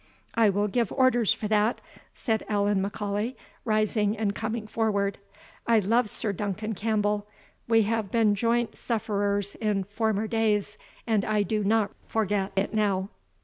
"I will give orders for that," said Allan M'Aulay, rising and coming forward. "I love Sir Duncan Campbell; we have been joint sufferers in former days, and I do not forget it now."